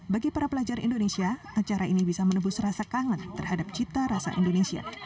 bagi para pelajar indonesia acara ini bisa menebus rasa kangen terhadap cita rasa indonesia